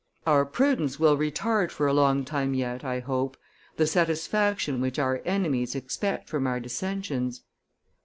Our prudence will retard for a long time yet, I hope, the satisfaction which our enemies expect from our dissensions.